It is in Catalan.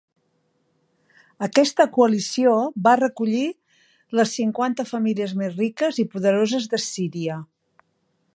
Aquesta coalició va recollir les cinquanta famílies més riques i poderoses de Síria.